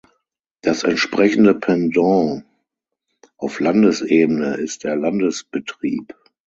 Das entsprechende Pendant auf Landesebene ist der Landesbetrieb.